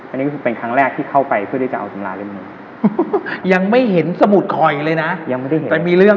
อันนี้ก็เป็นครั้งแรกที่เข้าไปเพื่อได้จะเอาสำราเรียนมือ